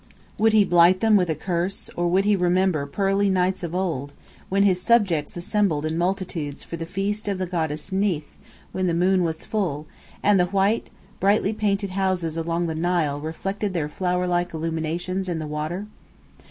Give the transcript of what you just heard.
Would he blight them with a curse, or would he remember pearly nights of old, when his subjects assembled in multitudes for the feast of the Goddess Neith when the moon was full, and all the white, brightly painted houses along the Nile reflected their flowerlike illuminations in the water?